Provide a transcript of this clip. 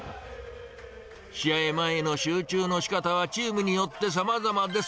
試合前の集中のしかたはチームによってさまざまです。